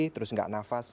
terus nggak nafas